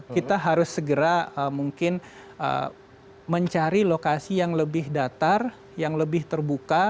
kita harus segera mungkin mencari lokasi yang lebih datar yang lebih terbuka